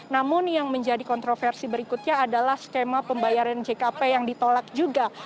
namun yang menjadi kontroversi berikutnya adalah skema pembayaran jkp yang ditolak juga